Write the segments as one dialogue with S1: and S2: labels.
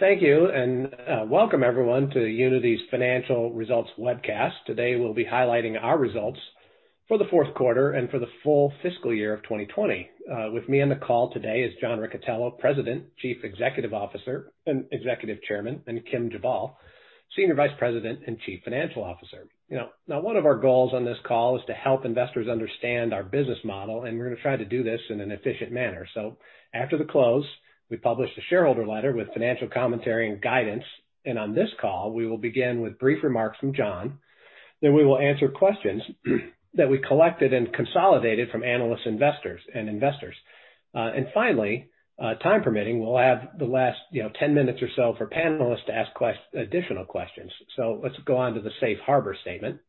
S1: Thank you, and welcome everyone to Unity's Financial Results Webcast. Today, we'll be highlighting our results for the fourth quarter and for the full fiscal year of 2020. With me on the call today is John Riccitiello, President, Chief Executive Officer, and Executive Chairman, and Kim Jabal, Senior Vice President and Chief Financial Officer. Now, one of our goals on this call is to help investors understand our business model, and we're going to try to do this in an efficient manner. After the close, we publish a shareholder letter with financial commentary and guidance. On this call, we will begin with brief remarks from John. We will answer questions that we collected and consolidated from analysts and investors. Finally, time permitting, we'll have the last 10 minutes or so for panelists to ask additional questions. Let's go on to the safe harbor statement.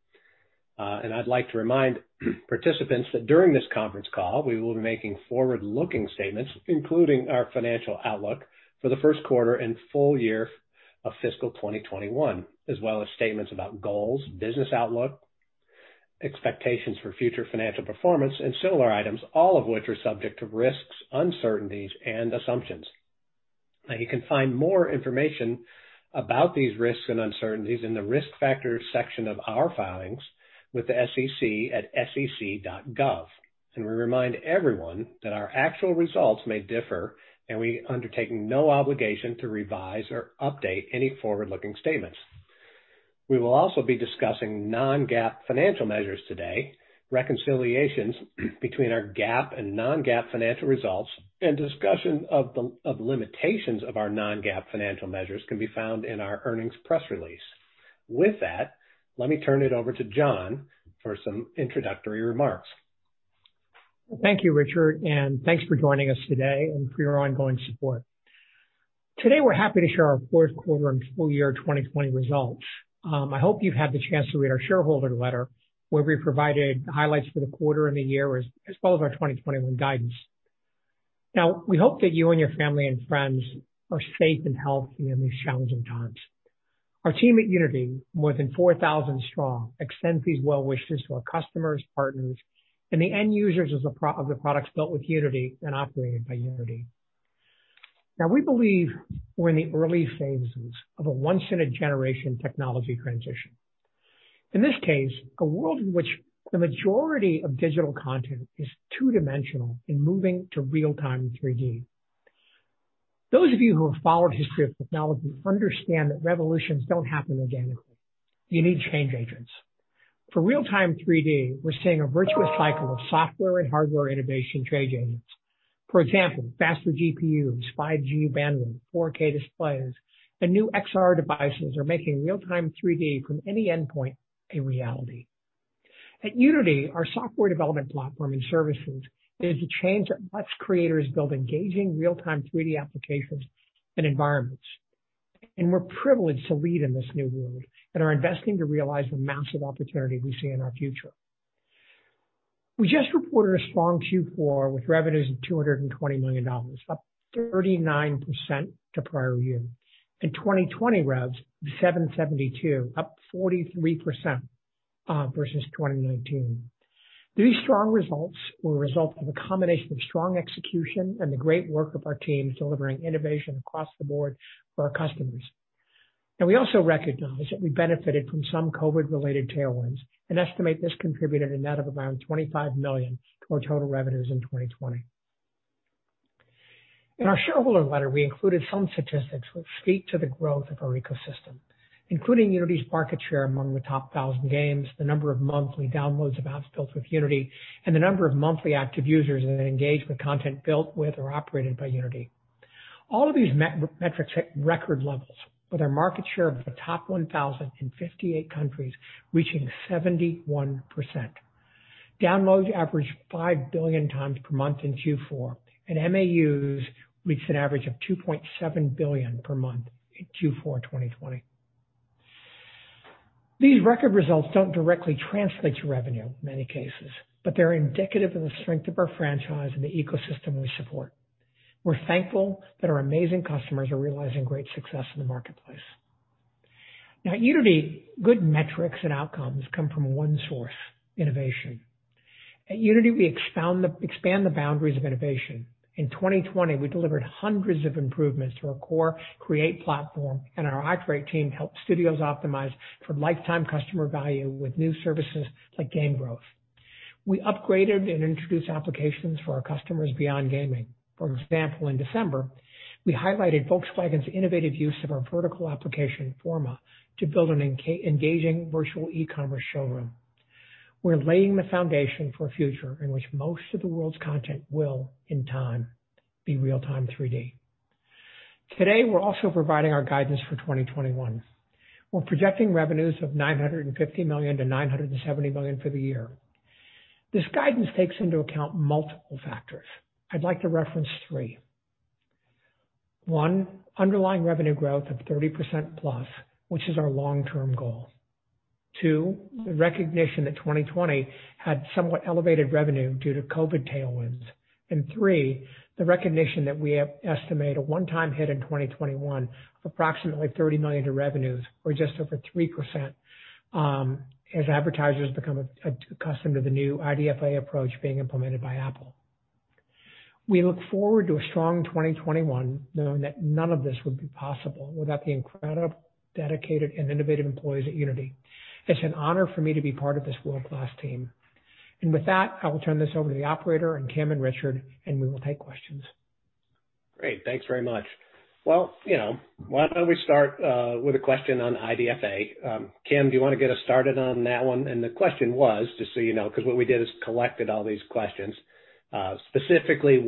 S1: I'd like to remind participants that during this conference call, we will be making forward-looking statements, including our financial outlook for the first quarter and full year of fiscal 2021, as well as statements about goals, business outlook, expectations for future financial performance, and similar items, all of which are subject to risks, uncertainties, and assumptions. You can find more information about these risks and uncertainties in the risk factors section of our filings with the SEC at sec.gov. We remind everyone that our actual results may differ, and we undertake no obligation to revise or update any forward-looking statements. We will also be discussing non-GAAP financial measures today. Reconciliations between our GAAP and non-GAAP financial results and discussion of limitations of our non-GAAP financial measures can be found in our earnings press release. With that, let me turn it over to John for some introductory remarks.
S2: Thank you, Richard, thanks for joining us today and for your ongoing support. Today, we're happy to share our fourth quarter and full year 2020 results. I hope you've had the chance to read our shareholder letter, where we provided highlights for the quarter and the year as well as our 2021 guidance. We hope that you and your family and friends are safe and healthy in these challenging times. Our team at Unity, more than 4,000 strong, extends these well wishes to our customers, partners, and the end users of the products built with Unity and operated by Unity. We believe we're in the early phases of a once in a generation technology transition. In this case, a world in which the majority of digital content is two-dimensional and moving to real-time 3D. Those of you who have followed history of technology understand that revolutions don't happen organically. You need change agents. For real-time 3D, we're seeing a virtuous cycle of software and hardware innovation change agents. For example, faster GPUs, 5G bandwidth, 4K displays, and new XR devices are making real-time 3D from any endpoint a reality. At Unity, our software development platform and services is the change that lets creators build engaging real-time 3D applications and environments. We're privileged to lead in this new world and are investing to realize the massive opportunity we see in our future. We just reported a strong Q4 with revenues of $220 million, up 39% to prior year, and 2020 revs of $772 million, up 43% versus 2019. These strong results were a result of a combination of strong execution and the great work of our teams delivering innovation across the board for our customers. We also recognize that we benefited from some COVID-related tailwinds and estimate this contributed a net of around $25 million to our total revenues in 2020. In our shareholder letter, we included some statistics which speak to the growth of our ecosystem, including Unity's market share among the top 1,000 games, the number of monthly downloads of apps built with Unity, and the number of monthly active users that engage with content built with or operated by Unity. All of these metrics hit record levels, with our market share of the top 1,000 in 58 countries reaching 71%. Downloads averaged 5 billion times per month in Q4, and MAUs reached an average of 2.7 billion per month in Q4 2020. These record results don't directly translate to revenue in many cases, but they're indicative of the strength of our franchise and the ecosystem we support. We're thankful that our amazing customers are realizing great success in the marketplace. Now at Unity, good metrics and outcomes come from one source: innovation. At Unity, we expand the boundaries of innovation. In 2020, we delivered hundreds of improvements to our core Create platform, and our Operate team helped studios optimize for lifetime customer value with new services like Game Growth. We upgraded and introduced applications for our customers beyond gaming. For example, in December, we highlighted Volkswagen's innovative use of our vertical application Forma to build an engaging virtual e-commerce showroom. We're laying the foundation for a future in which most of the world's content will, in time, be real-time 3D. Today, we're also providing our guidance for 2021. We're projecting revenues of $950 million-$970 million for the year. This guidance takes into account multiple factors. I'd like to reference three. One, underlying revenue growth of +30%, which is our long-term goal. Two, the recognition that 2020 had somewhat elevated revenue due to COVID tailwinds. Three, the recognition that we estimate a one-time hit in 2021 of approximately $30 million to revenues, or just over 3%. As advertisers become accustomed to the new IDFA approach being implemented by Apple. We look forward to a strong 2021, knowing that none of this would be possible without the incredible, dedicated, and innovative employees at Unity. It's an honor for me to be part of this world-class team. With that, I will turn this over to the operator and Kim and Richard, and we will take questions.
S1: Great. Thanks very much. Why don't we start with a question on IDFA? Kim, do you want to get us started on that one? The question was, just so you know, because what we did is collected all these questions. Specifically,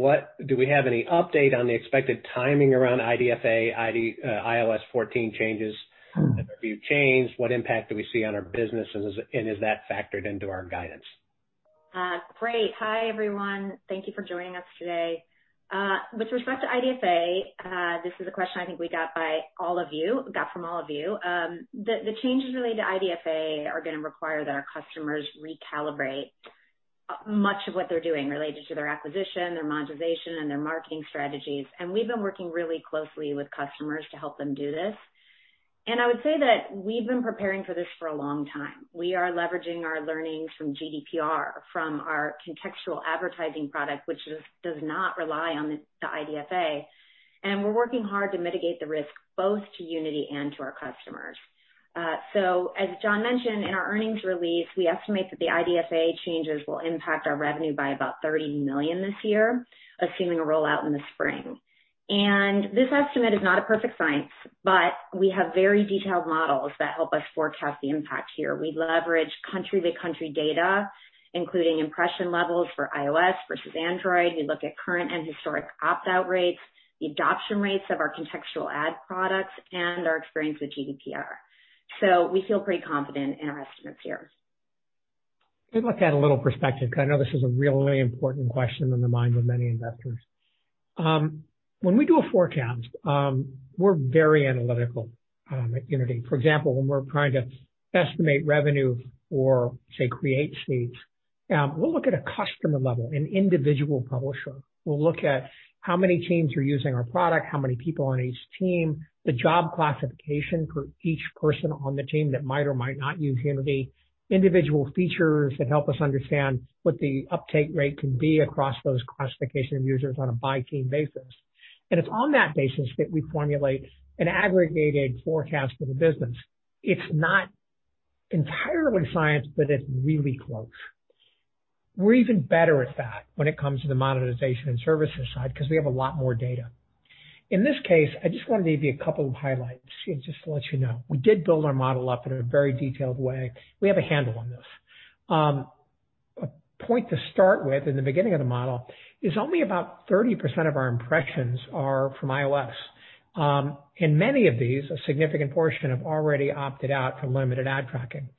S1: do we have any update on the expected timing around IDFA, iOS 14 changes? Have your views changed? What impact do we see on our business, and is that factored into our guidance?
S3: Great. Hi, everyone. Thank you for joining us today. With respect to IDFA, this is a question I think we got from all of you. The changes related to IDFA are going to require that our customers recalibrate much of what they're doing related to their acquisition, their monetization, and their marketing strategies. We've been working really closely with customers to help them do this. I would say that we've been preparing for this for a long time. We are leveraging our learnings from GDPR, from our contextual advertising product, which does not rely on the IDFA, and we're working hard to mitigate the risk both to Unity and to our customers. As John mentioned in our earnings release, we estimate that the IDFA changes will impact our revenue by about $30 million this year, assuming a rollout in the spring. This estimate is not a perfect science, but we have very detailed models that help us forecast the impact here. We leverage country-by-country data, including impression levels for iOS versus Android. We look at current and historic opt-out rates, the adoption rates of our contextual ad products, and our experience with GDPR. We feel pretty confident in our estimates here.
S2: Let me add a little perspective because I know this is a really important question in the mind of many investors. When we do a forecast, we're very analytical at Unity. For example, when we're trying to estimate revenue or, say, Create seats, we'll look at a customer level, an individual publisher. We'll look at how many teams are using our product, how many people on each team, the job classification for each person on the team that might or might not use Unity, individual features that help us understand what the uptake rate can be across those classification of users on a by team basis. It's on that basis that we formulate an aggregated forecast for the business. It's not entirely science, but it's really close. We're even better at that when it comes to the monetization and services side because we have a lot more data. In this case, I just want to give you a couple of highlights just to let you know. We did build our model up in a very detailed way. We have a handle on this. A point to start with in the beginning of the model is only about 30% of our impressions are from iOS. Many of these, a significant portion, have already opted out from limited ad tracking.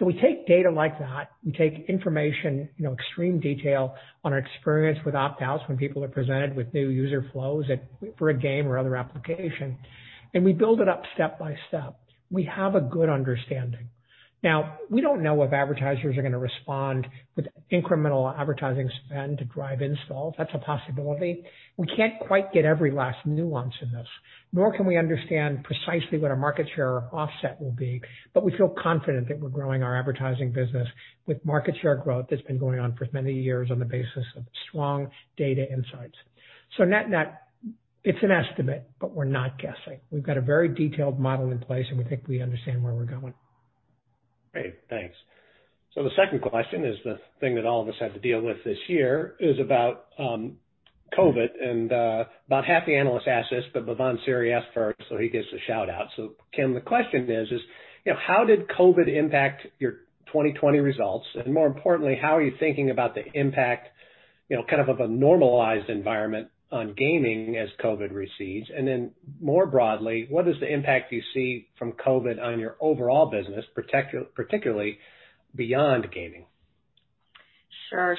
S2: We take data like that. We take information, extreme detail on our experience with opt-outs when people are presented with new user flows for a game or other application, and we build it up step by step. We have a good understanding. We don't know if advertisers are going to respond with incremental advertising spend to drive installs. That's a possibility. We can't quite get every last nuance in this, nor can we understand precisely what our market share offset will be. We feel confident that we're growing our advertising business with market share growth that's been going on for many years on the basis of strong data insights. Net, it's an estimate, but we're not guessing. We've got a very detailed model in place, and we think we understand where we're going.
S1: Great. Thanks. The second question is the thing that all of us had to deal with this year is about COVID and about half the analysts asked this, but Bhavan Suri asked first, so he gets a shout-out. Kim, the question is: how did COVID impact your 2020 results? More importantly, how are you thinking about the impact of a normalized environment on gaming as COVID recedes? Then more broadly, what is the impact you see from COVID on your overall business, particularly beyond gaming?
S3: Sure.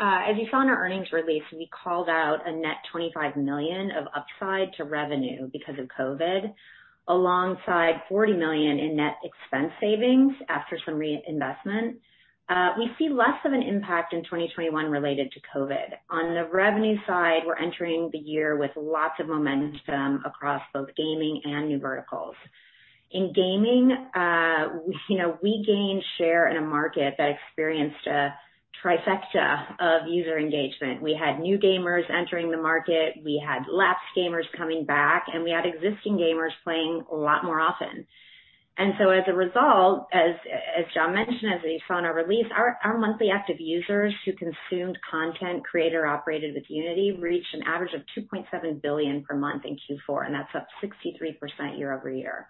S3: As you saw in our earnings release, we called out a net $25 million of upside to revenue because of COVID, alongside $40 million in net expense savings after some reinvestment. We see less of an impact in 2021 related to COVID. On the revenue side, we're entering the year with lots of momentum across both gaming and new verticals. In gaming, we gained share in a market that experienced a trifecta of user engagement. We had new gamers entering the market, we had lapsed gamers coming back, and we had existing gamers playing a lot more often. As a result, as John mentioned, as you saw in our release, our monthly active users who consumed content created or operated with Unity reached an average of $2.7 billion per month in Q4, and that's up 63% year-over-year.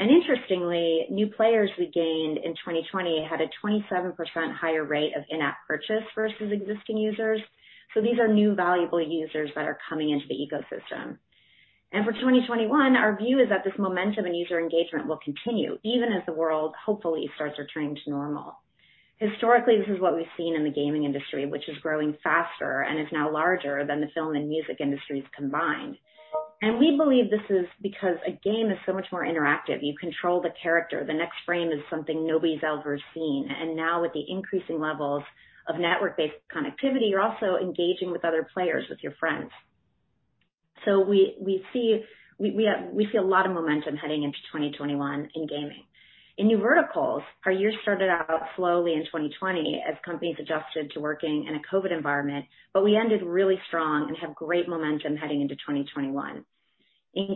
S3: Interestingly, new players we gained in 2020 had a 27% higher rate of in-app purchase versus existing users. These are new valuable users that are coming into the ecosystem. For 2021, our view is that this momentum and user engagement will continue even as the world hopefully starts returning to normal. Historically, this is what we've seen in the gaming industry, which is growing faster and is now larger than the film and music industries combined. We believe this is because a game is so much more interactive. You control the character. The next frame is something nobody's ever seen. Now with the increasing levels of network-based connectivity, you're also engaging with other players, with your friends. So we see a lot of momentum heading into 2021 in gaming. In new verticals, our year started out slowly in 2020 as companies adjusted to working in a COVID environment, but we ended really strong and have great momentum heading into 2021. In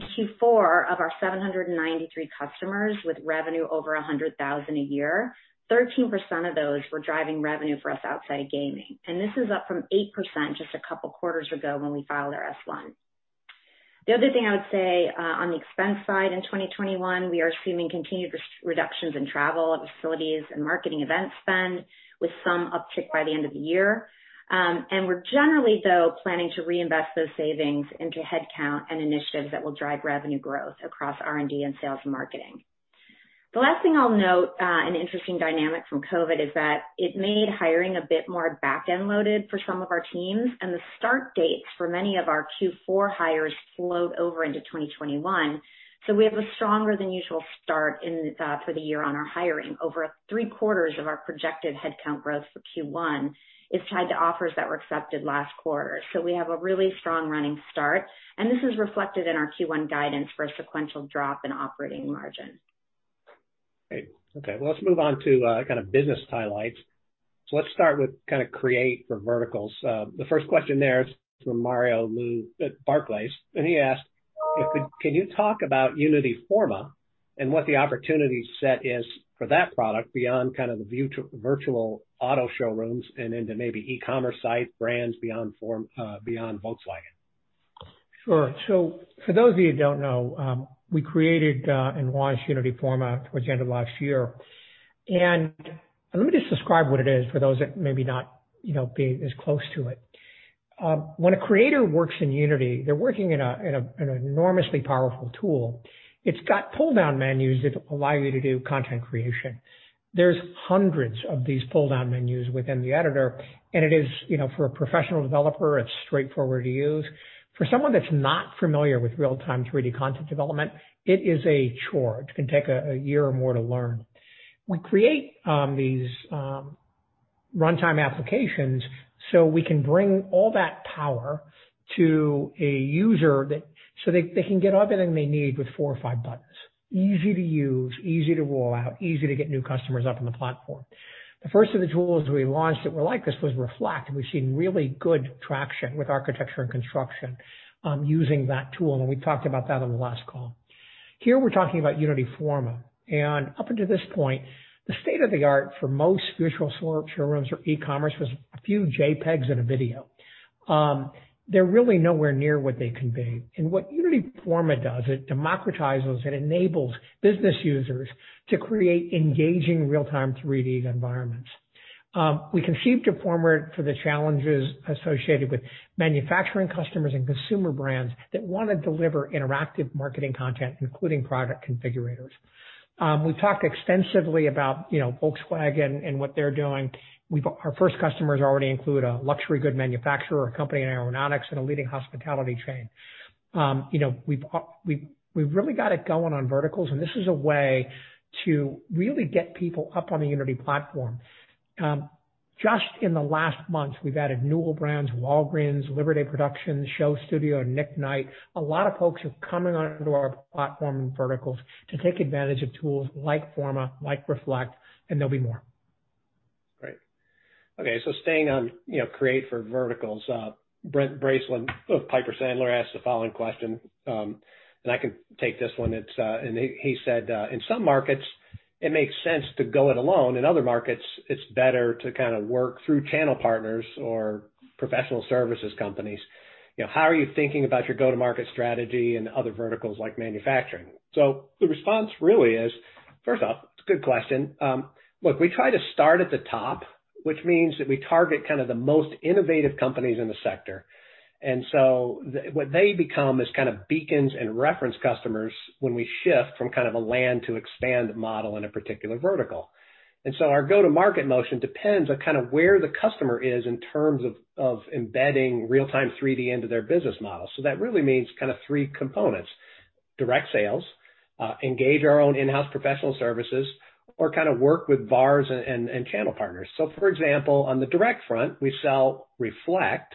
S3: Q4, of our 793 customers with revenue over $100,000 a year, 13% of those were driving revenue for us outside of gaming. This is up from 8% just a couple of quarters ago when we filed our S-1. The other thing I would say on the expense side in 2021, we are assuming continued reductions in travel, facilities, and marketing event spend with some uptick by the end of the year. We're generally, though, planning to reinvest those savings into headcount and initiatives that will drive revenue growth across R&D and sales marketing. The last thing I'll note, an interesting dynamic from COVID is that it made hiring a bit more back-end loaded for some of our teams, and the start dates for many of our Q4 hires flowed over into 2021. We have a stronger than usual start for the year on our hiring. Over three-quarters of our projected headcount growth for Q1 is tied to offers that were accepted last quarter. We have a really strong running start, and this is reflected in our Q1 guidance for a sequential drop in operating margin.
S1: Great. Okay, let's move on to business highlights. Let's start with create for verticals. The first question there is from Mario Lu at Barclays, and he asked, "Can you talk about Unity Forma and what the opportunity set is for that product beyond the virtual auto showrooms and into maybe e-commerce site brands beyond Volkswagen?
S2: Sure. For those of you who don't know, we created and launched Unity Forma towards the end of last year. Let me just describe what it is for those that may not be as close to it. When a creator works in Unity, they're working in an enormously powerful tool. It's got pull-down menus that allow you to do content creation. There's hundreds of these pull-down menus within the editor, and for a professional developer, it's straightforward to use. For someone that's not familiar with real-time 3D content development, it is a chore. It can take a year or more to learn. We create these runtime applications so we can bring all that power to a user so they can get everything they need with four or five buttons. Easy to use, easy to roll out, easy to get new customers up on the platform. The first of the tools we launched that were like this was Reflect. We've seen really good traction with architecture and construction using that tool. We talked about that on the last call. Here we're talking about Unity Forma. Up until this point, the state of the art for most virtual showrooms or e-commerce was a few JPEGs and a video. They're really nowhere near what they can be. What Unity Forma does is it democratizes and enables business users to create engaging real-time 3D environments. We conceived of Forma for the challenges associated with manufacturing customers and consumer brands that want to deliver interactive marketing content, including product configurators. We've talked extensively about Volkswagen and what they're doing. Our first customers already include a luxury good manufacturer, a company in aeronautics, and a leading hospitality chain. We've really got it going on verticals. This is a way to really get people up on the Unity platform. Just in the last month, we've added Newell Brands, Walgreens, Liberte Productions, SHOWstudio, and Nick Knight. A lot of folks are coming onto our platform and verticals to take advantage of tools like Forma, like Reflect, and there'll be more.
S1: Great. Okay, staying on Create for verticals. Brent Bracelin of Piper Sandler asked the following question, and I can take this one. He said, "In some markets, it makes sense to go it alone. In other markets, it's better to work through channel partners or professional services companies. How are you thinking about your go-to-market strategy in other verticals like manufacturing?" The response really is, first off, it's a good question. Look, we try to start at the top, which means that we target the most innovative companies in the sector. What they become is beacons and reference customers when we shift from a land to expand model in a particular vertical. Our go-to-market motion depends on where the customer is in terms of embedding real-time 3D into their business model. That really means three components. Direct sales, engage our own in-house professional services, or work with VARs and channel partners. For example, on the direct front, we sell Unity Reflect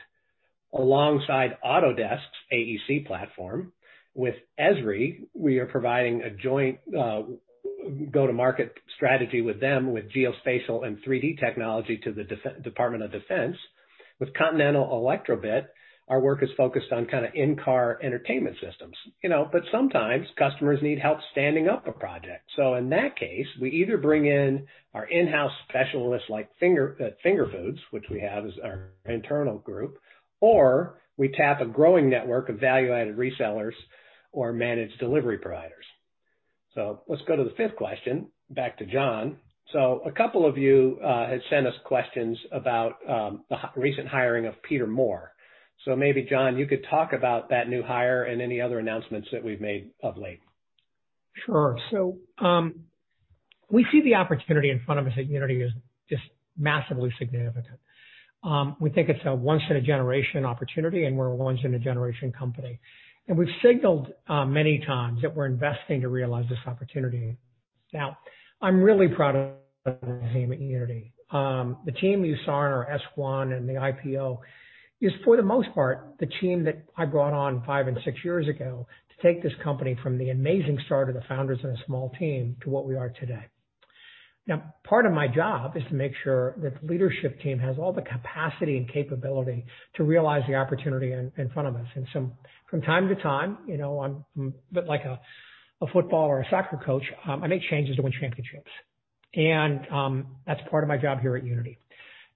S1: alongside Autodesk's AEC platform. With Esri, we are providing a joint go-to-market strategy with them with geospatial and 3D technology to the Department of Defense. With Continental Elektrobit, our work is focused on in-car entertainment systems. Sometimes customers need help standing up a project. In that case, we either bring in our in-house specialists like Finger Food, which we have as our internal group, or we tap a growing network of value-added resellers or managed delivery providers. Let's go to the fifth question. Back to John. A couple of you had sent us questions about the recent hiring of Peter Moore. Maybe, John, you could talk about that new hire and any other announcements that we've made of late.
S2: Sure. We see the opportunity in front of us at Unity as just massively significant. We think it's a once-in-a-generation opportunity, and we're a once-in-a-generation company. We've signaled many times that we're investing to realize this opportunity. I'm really proud of the team at Unity. The team you saw in our S-1 and the IPO is, for the most part, the team that I brought on five and six years ago to take this company from the amazing start of the founders and a small team to what we are today. Part of my job is to make sure that the leadership team has all the capacity and capability to realize the opportunity in front of us. From time to time, I'm a bit like a football or a soccer coach. I make changes to win championships, and that's part of my job here at Unity.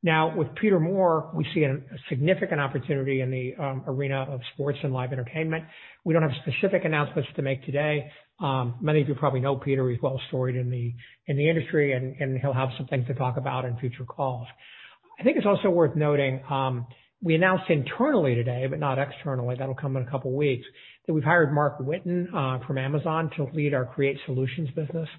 S2: Now, with Peter Moore, we see a significant opportunity in the arena of sports and live entertainment. We don't have specific announcements to make today. Many of you probably know Peter. He's well-storied in the industry, and he'll have some things to talk about in future calls. I think it's also worth noting, we announced internally today, but not externally, that'll come in a couple of weeks, that we've hired Marc Whitten from Amazon to lead our Create Solutions business.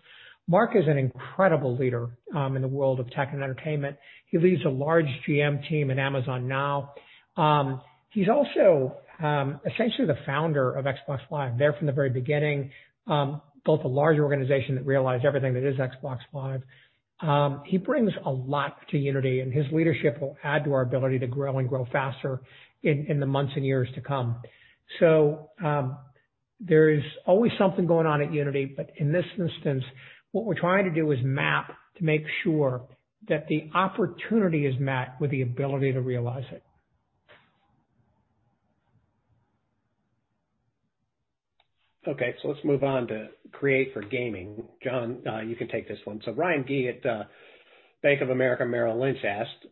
S2: Marc is an incredible leader in the world of tech and entertainment. He leads a large GM team at Amazon now. He's also essentially the founder of Xbox Live, there from the very beginning. Built a large organization that realized everything that is Xbox Live. He brings a lot to Unity, and his leadership will add to our ability to grow and grow faster in the months and years to come. There is always something going on at Unity, but in this instance, what we're trying to do is map to make sure that the opportunity is met with the ability to realize it.
S1: Okay, let's move on to Create for gaming. John, you can take this one. Ryan Gee at Bank of America Merrill Lynch asked,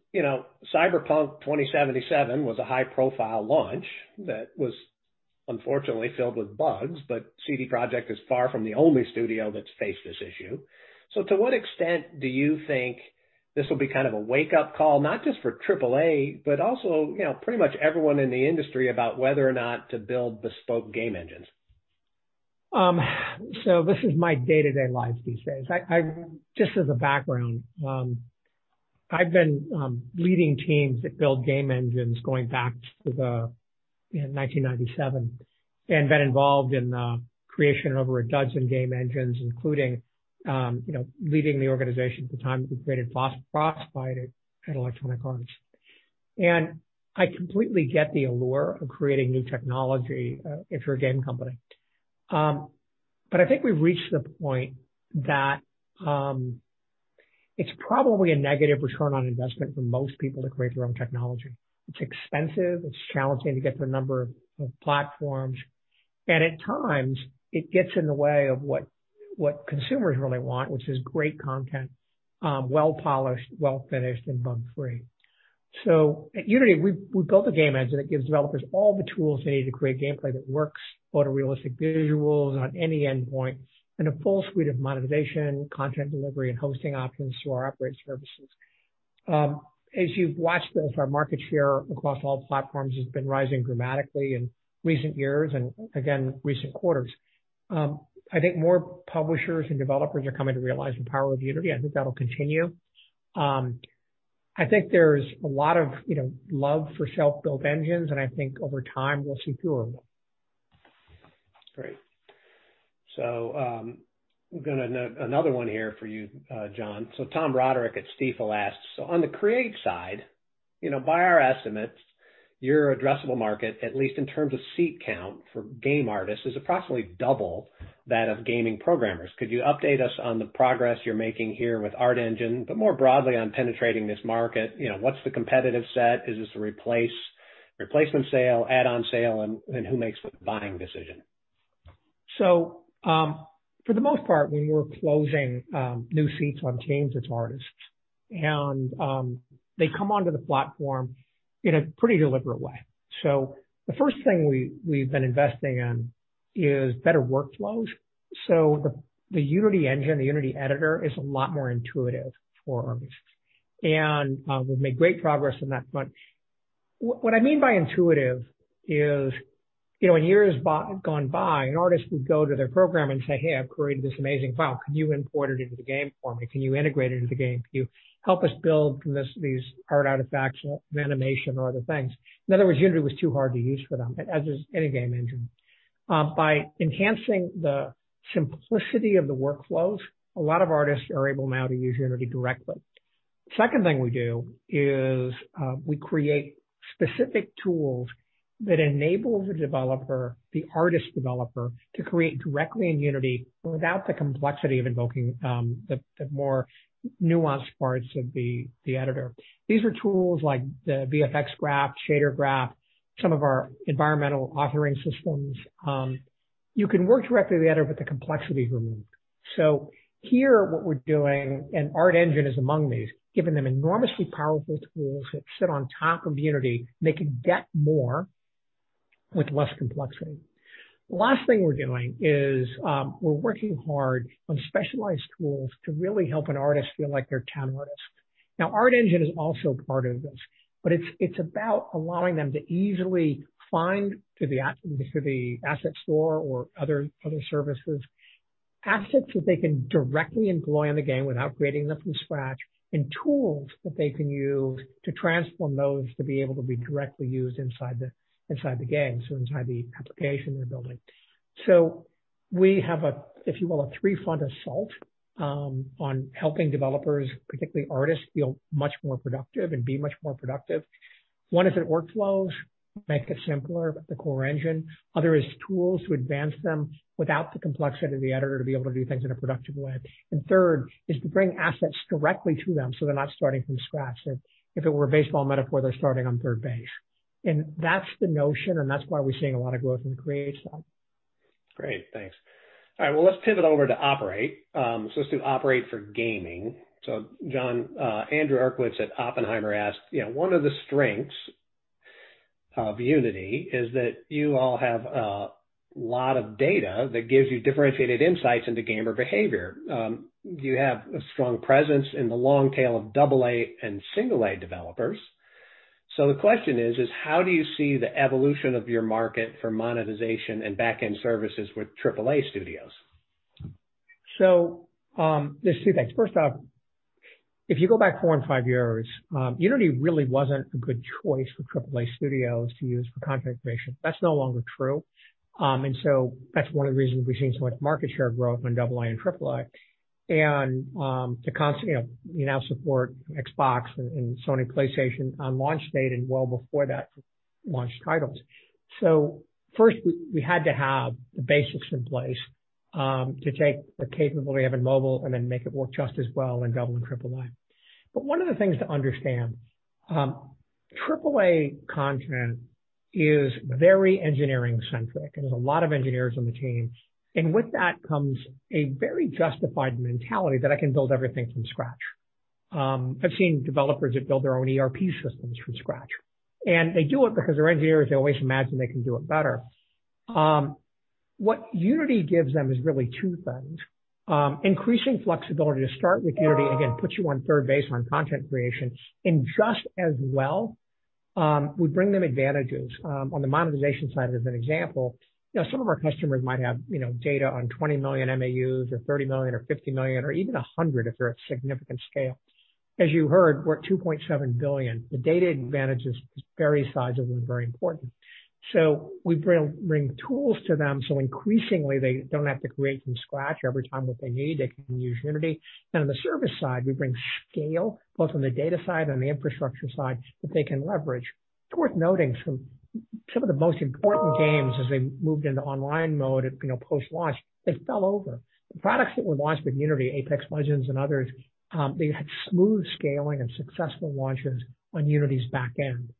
S1: "Cyberpunk 2077 was a high-profile launch that was unfortunately filled with bugs, but CD Projekt is far from the only studio that's faced this issue. To what extent do you think this will be kind of a wake-up call, not just for AAA, but also pretty much everyone in the industry about whether or not to build bespoke game engines?
S2: This is my day-to-day life these days. Just as a background, I've been leading teams that build game engines going back to 1997 and been involved in the creation of over a dozen game engines, including leading the organization at the time that we created Frostbite at Electronic Arts. I completely get the allure of creating new technology if you're a game company. I think we've reached the point that it's probably a negative return on investment for most people to create their own technology. It's expensive, it's challenging to get to a number of platforms, and at times, it gets in the way of what consumers really want, which is great content, well-polished, well-finished, and bug-free. At Unity, we built a game engine that gives developers all the tools they need to create gameplay that works, photorealistic visuals on any endpoint, and a full suite of monetization, content delivery, and hosting options through our operate services. As you've watched us, our market share across all platforms has been rising dramatically in recent years and again, recent quarters. I think more publishers and developers are coming to realize the power of Unity. I think that'll continue. I think there's a lot of love for self-built engines, and I think over time, we'll see fewer of them.
S1: Great. We've got another one here for you, John. Tom Roderick at Stifel asks, "On the Create side, by our estimates, your addressable market, at least in terms of seat count for game artists, is approximately double that of gaming programmers. Could you update us on the progress you're making here with ArtEngine, but more broadly on penetrating this market? What's the competitive set? Is this a replacement sale, add-on sale, and who makes the buying decision?
S2: For the most part, when we're closing new seats on teams, it's artists. They come onto the platform in a pretty deliberate way. The first thing we've been investing in is better workflows. The Unity engine, the Unity editor, is a lot more intuitive for artists, and we've made great progress in that front. What I mean by intuitive is in years gone by, an artist would go to their programmer and say, "Hey, I've created this amazing file. Could you import it into the game for me? Can you integrate it into the game? Can you help us build these art artifacts of animation or other things?" In other words, Unity was too hard to use for them, as is any game engine. By enhancing the simplicity of the workflows, a lot of artists are able now to use Unity directly. Second thing we do is we create specific tools that enable the developer, the artist developer, to create directly in Unity without the complexity of invoking the more nuanced parts of the editor. These are tools like the VFX Graph, Shader Graph, some of our environmental authoring systems. You can work directly with the editor with the complexity removed. Here, what we're doing, and ArtEngine is among these, giving them enormously powerful tools that sit on top of Unity, they can get more with less complexity. The last thing we're doing is we're working hard on specialized tools to really help an artist feel like they're ten artists. ArtEngine is also part of this, but it's about allowing them to easily find, to the Asset Store or other services, assets that they can directly employ in the game without creating them from scratch, and tools that they can use to transform those to be able to be directly used inside the game. Inside the application they're building. We have a, if you will, a three-front assault on helping developers, particularly artists, feel much more productive and be much more productive. One is in workflows, make it simpler with the core engine. Other is tools to advance them without the complexity of the editor to be able to do things in a productive way. Third is to bring assets directly to them so they're not starting from scratch. If it were a baseball metaphor, they're starting on third base. That's the notion, and that's why we're seeing a lot of growth in the Create side.
S1: Great. Thanks. All right. Let's pivot over to Operate. Let's do Operate for gaming. John, Andrew Uerkwitz at Oppenheimer asked, "One of the strengths of Unity is that you all have a lot of data that gives you differentiated insights into gamer behavior. You have a strong presence in the long tail of AA and A developers. The question is, how do you see the evolution of your market for monetization and back-end services with AAA studios?
S2: There's two things. First off, if you go back four and five years, Unity really wasn't a good choice for AAA studios to use for content creation. That's no longer true. That's one of the reasons we've seen so much market share growth on AA and AAA. We now support Xbox and Sony PlayStation on launch date and well before that for launch titles. First, we had to have the basics in place, to take the capability we have in mobile and then make it work just as well in AA and AAA. One of the things to understand, AAA content is very engineering-centric. There's a lot of engineers on the team. With that comes a very justified mentality that I can build everything from scratch. I've seen developers that build their own ERP systems from scratch. They do it because they're engineers, they always imagine they can do it better. What Unity gives them is really two things. Increasing flexibility to start with Unity, again, puts you on third base on content creation. Just as well, we bring them advantages. On the monetization side, as an example, some of our customers might have data on 20 million MAUs or 30 million or 50 million or even 100 if they're at significant scale. As you heard, we're at 2.7 billion. The data advantage is very sizable and very important. We bring tools to them, so increasingly they don't have to create from scratch every time that they need. They can use Unity. On the service side, we bring scale, both on the data side and the infrastructure side that they can leverage. It's worth noting some of the most important games as they moved into online mode post-launch, they fell over. The products that were launched with Unity, Apex Legends and others, they had smooth scaling and successful launches on Unity's back end.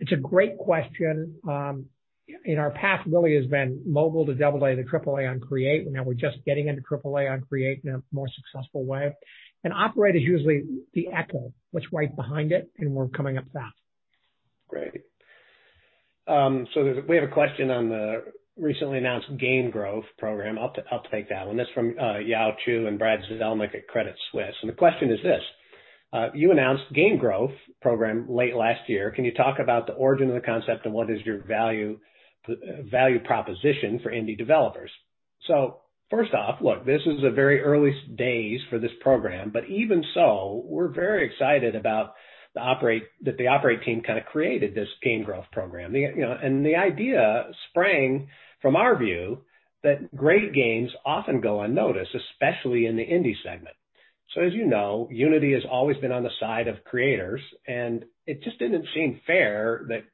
S2: It's a great question. Our path really has been mobile to AA to AAA on Create. Now we're just getting into AAA on Create in a more successful way. Operate is usually the echo that's right behind it, and we're coming up fast.
S1: Great. We have a question on the recently announced Game Growth program. I'll take that one. That's from Yao Chew and Brad Zelnick at Credit Suisse. The question is this: You announced Game Growth program late last year. Can you talk about the origin of the concept, and what is your value proposition for indie developers? First off, look, this is the very early days for this program, but even so, we're very excited that the Operate team created this Game Growth program. The idea sprang from our view that great games often go unnoticed, especially in the indie segment. As you know, Unity has always been on the side of creators, and it just didn't seem fair that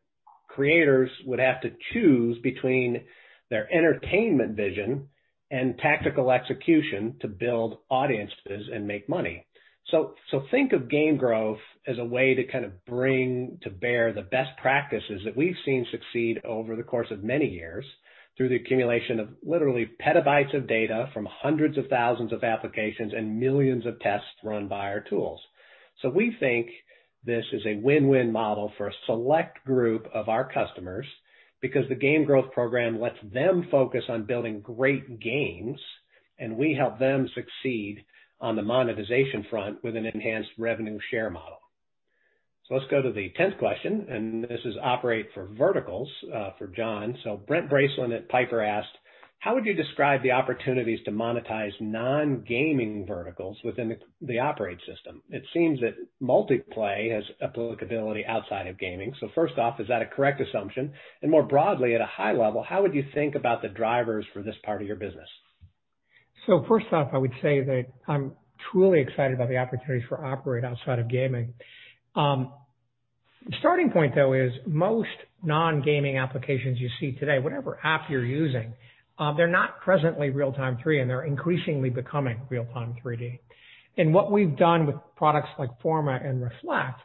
S1: creators would have to choose between their entertainment vision and tactical execution to build audiences and make money. Think of Game Growth as a way to bring to bear the best practices that we've seen succeed over the course of many years through the accumulation of literally petabytes of data from hundreds of thousands of applications and millions of tests run by our tools. We think this is a win-win model for a select group of our customers because the Game Growth program lets them focus on building great games, and we help them succeed on the monetization front with an enhanced revenue share model. Let's go to the 10th question, and this is Operate for verticals for John. Brent Bracelin at Piper asked, "How would you describe the opportunities to monetize non-gaming verticals within the Operate system? It seems that Multiplay has applicability outside of gaming. First off, is that a correct assumption? More broadly, at a high level, how would you think about the drivers for this part of your business?
S2: First off, I would say that I'm truly excited about the opportunities for Operate outside of gaming. Starting point, though, is most non-gaming applications you see today, whatever app you're using, they're not presently real-time 3D, and they're increasingly becoming real-time 3D. What we've done with products like Forma and Reflect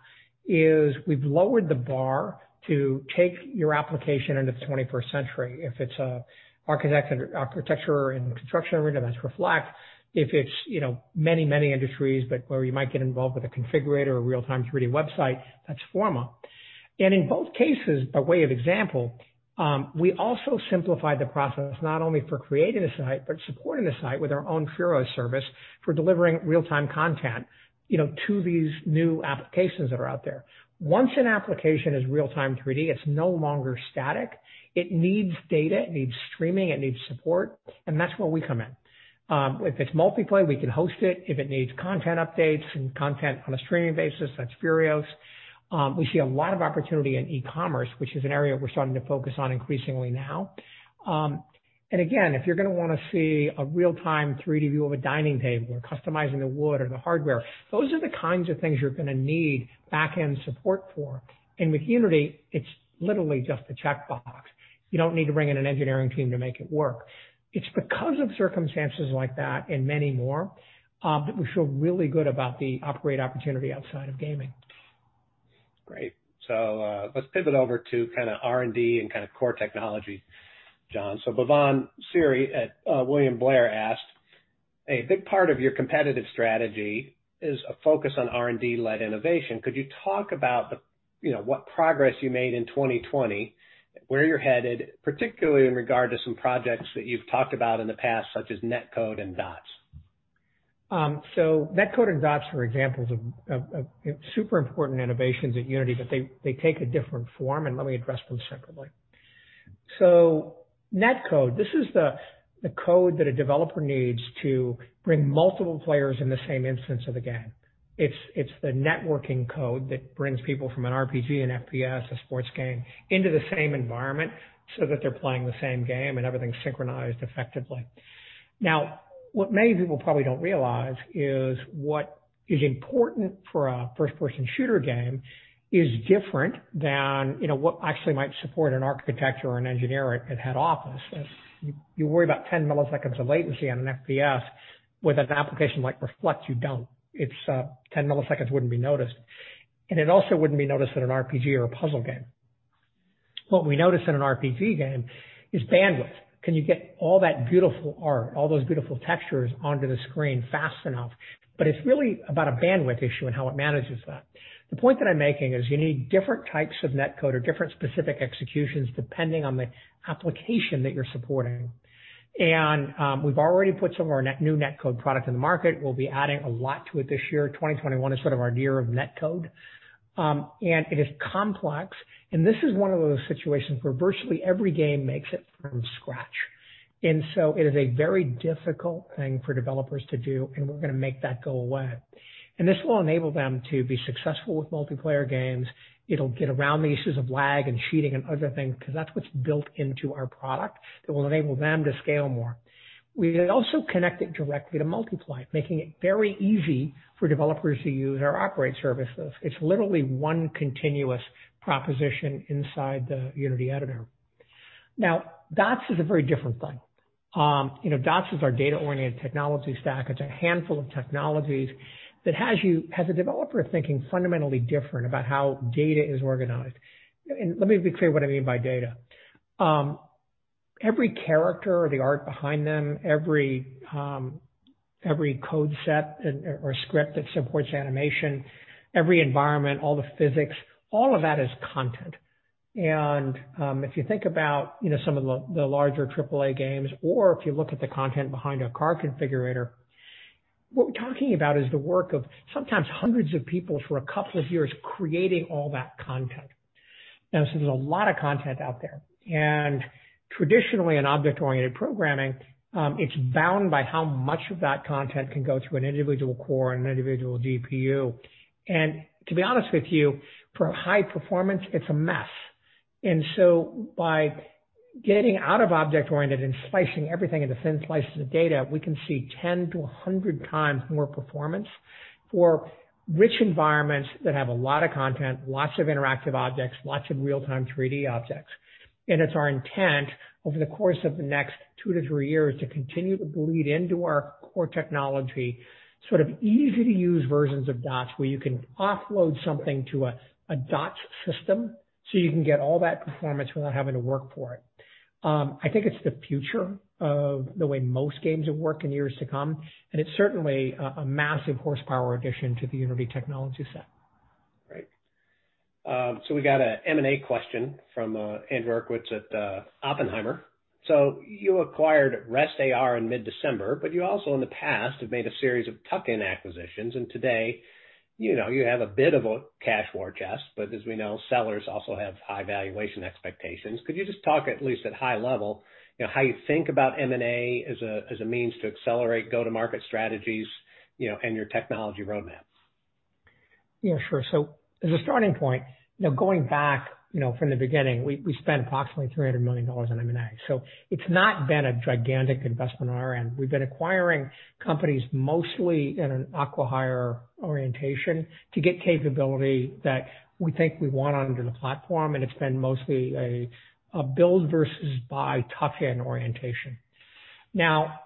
S2: is we've lowered the bar to take your application into the 21st century. If it's architecture and construction arena, that's Reflect. If it's many industries, but where you might get involved with a configurator or real-time 3D website, that's Forma. In both cases, by way of example, we also simplified the process not only for creating a site but supporting a site with our own Furioos service for delivering real-time content to these new applications that are out there. Once an application is real-time 3D, it's no longer static. It needs data, it needs streaming, it needs support, and that's where we come in. If it's Multiplay, we can host it. If it needs content updates and content on a streaming basis, that's Furioos's. We see a lot of opportunity in e-commerce, which is an area we're starting to focus on increasingly now. Again, if you're going to want to see a real-time 3D view of a dining table or customizing the wood or the hardware, those are the kinds of things you're going to need back-end support for. With Unity, it's literally just a checkbox. You don't need to bring in an engineering team to make it work. It's because of circumstances like that and many more, that we feel really good about the Operate opportunity outside of gaming.
S1: Great. Let's pivot over to kind of R&D and kind of core technologies, John. Bhavan Suri at William Blair asked, "A big part of your competitive strategy is a focus on R&D-led innovation. Could you talk about what progress you made in 2020, where you're headed, particularly in regard to some projects that you've talked about in the past, such as NetCode and DOTS?
S2: NetCode and DOTS are examples of super important innovations at Unity, but they take a different form, and let me address them separately. NetCode, this is the code that a developer needs to bring multiple players in the same instance of the game. It's the networking code that brings people from an RPG, an FPS, a sports game, into the same environment so that they're playing the same game and everything's synchronized effectively. What many people probably don't realize is what is important for a first-person shooter game is different than what actually might support an architect or an engineer at head office. You worry about 10 milliseconds of latency on an FPS. With an application like Reflect, you don't. It's 10 milliseconds wouldn't be noticed, and it also wouldn't be noticed in an RPG or a puzzle game. What we notice in an RPG game is bandwidth. Can you get all that beautiful art, all those beautiful textures onto the screen fast enough? It's really about a bandwidth issue and how it manages that. The point that I'm making is you need different types of NetCode or different specific executions depending on the application that you're supporting. We've already put some of our new NetCode product in the market. We'll be adding a lot to it this year. 2021 is sort of our year of NetCode. It is complex, and this is one of those situations where virtually every game makes it from scratch. It is a very difficult thing for developers to do, and we're going to make that go away. This will enable them to be successful with multiplayer games. It'll get around the issues of lag and cheating and other things, because that's what's built into our product that will enable them to scale more. We also connect it directly to Multiplay, making it very easy for developers to use our Operate services. It's literally one continuous proposition inside the Unity Editor. DOTS is a very different thing. DOTS is our data-oriented technology stack. It's a handful of technologies that has a developer thinking fundamentally different about how data is organized. Let me be clear what I mean by data. Every character or the art behind them, every code set or script that supports animation, every environment, all the physics, all of that is content. If you think about some of the larger AAA games, or if you look at the content behind a car configurator, what we're talking about is the work of sometimes hundreds of people for a couple of years creating all that content. There's a lot of content out there, and traditionally in object-oriented programming, it's bound by how much of that content can go to an individual core and an individual GPU. To be honest with you, for high performance, it's a mess. By getting out of object-oriented and slicing everything into thin slices of data, we can see 10-100 times more performance for rich environments that have a lot of content, lots of interactive objects, lots of real-time 3D objects. It's our intent over the course of the next two to three years to continue to bleed into our core technology, sort of easy-to-use versions of DOTS, where you can offload something to a DOTS system, so you can get all that performance without having to work for it. I think it's the future of the way most games will work in years to come, and it's certainly a massive horsepower addition to the Unity technology set.
S1: Right. We got an M&A question from Andrew Uerkwitz at Oppenheimer. You acquired RestAR in mid-December, but you also in the past have made a series of tuck-in acquisitions, and today, you have a bit of a cash war chest. As we know, sellers also have high valuation expectations. Could you just talk at least at high level, how you think about M&A as a means to accelerate go-to-market strategies and your technology roadmap?
S2: Yeah, sure. As a starting point, going back from the beginning, we spent approximately $300 million on M&A. It's not been a gigantic investment on our end. We've been acquiring companies mostly in an acqui-hire orientation to get capability that we think we want under the platform, and it's been mostly a build versus buy tuck-in orientation. Now,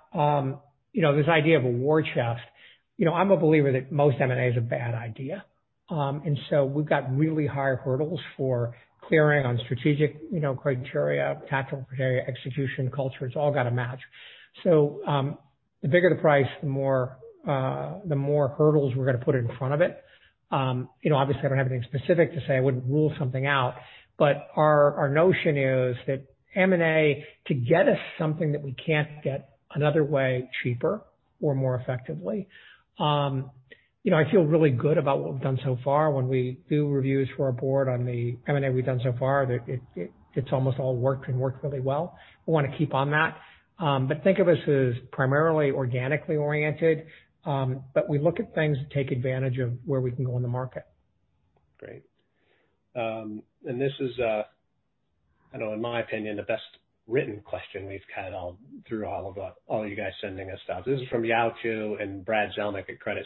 S2: this idea of a war chest. I'm a believer that most M&A is a bad idea. We've got really high hurdles for clearing on strategic criteria, tactical criteria, execution, culture. It's all got to match. The bigger the price, the more hurdles we're going to put in front of it. Obviously, I don't have anything specific to say. I wouldn't rule something out. Our notion is that M&A to get us something that we can't get another way cheaper or more effectively. I feel really good about what we've done so far. When we do reviews for our board on the M&A we've done so far, it's almost all worked and worked really well. We want to keep on that. Think of us as primarily organically oriented, but we look at things to take advantage of where we can go in the market.
S1: Great. This is, I know in my opinion, the best-written question we've cut all through all of you guys sending us stuff. This is from Yao Chew and Brad Zelnick at Credit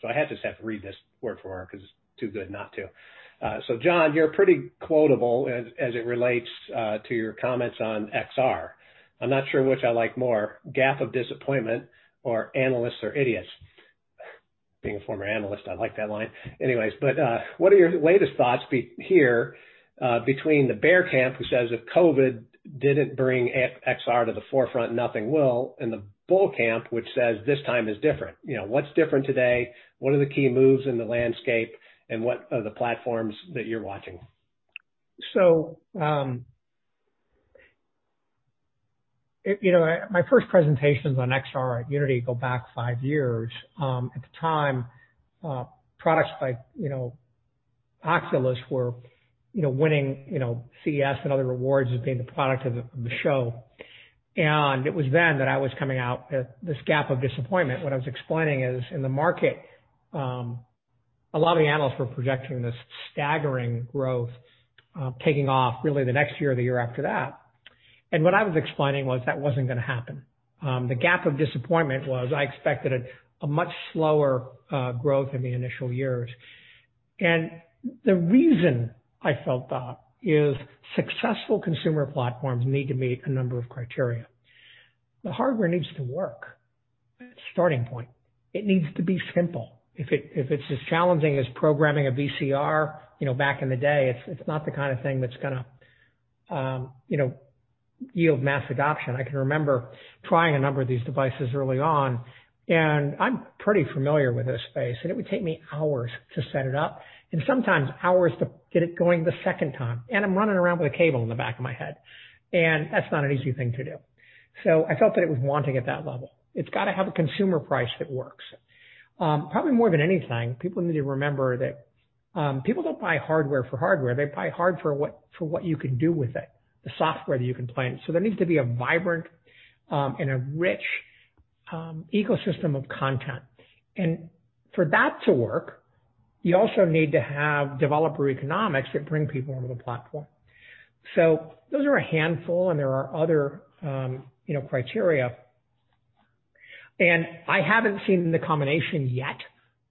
S1: Suisse. I just have to read this word for word because it's too good not to. John, you're pretty quotable as it relates to your comments on XR. I'm not sure which I like more, gap of disappointment or analysts are idiots. Being a former analyst, I like that line. What are your latest thoughts here between the bear camp, who says if COVID didn't bring XR to the forefront, nothing will, and the bull camp, which says this time is different. What's different today? What are the key moves in the landscape, and what are the platforms that you're watching?
S2: My first presentations on XR at Unity go back five years. At the time, products like Oculus were winning CES and other awards as being the product of the show. It was then that I was coming out with this gap of disappointment. What I was explaining is in the market, a lot of the analysts were projecting this staggering growth taking off really the next year or the year after that. What I was explaining was that wasn't going to happen. The gap of disappointment was I expected a much slower growth in the initial years. The reason I felt that is successful consumer platforms need to meet a number of criteria. The hardware needs to work. That's the starting point. It needs to be simple. If it's as challenging as programming a VCR back in the day, it's not the kind of thing that's going to yield mass adoption. I can remember trying a number of these devices early on, and I'm pretty familiar with this space, and it would take me hours to set it up and sometimes hours to get it going the second time. I'm running around with a cable in the back of my head, and that's not an easy thing to do. I felt that it was wanting at that level. It's got to have a consumer price that works. Probably more than anything, people need to remember that people don't buy hardware for hardware. They buy hardware for what you can do with it, the software that you can play on it. There needs to be a vibrant and a rich ecosystem of content. For that to work, you also need to have developer economics that bring people onto the platform. Those are a handful and there are other criteria. I haven't seen the combination yet